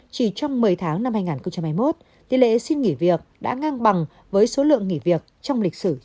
chỉ trong một mươi tháng năm hai nghìn hai mươi một tỷ lệ xin nghỉ việc đã ngang bằng với số lượng nghỉ việc trong lịch sử